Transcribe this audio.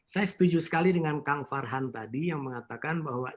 saya setuju sekali dengan kang farhan tadi yang mengatakan bahwa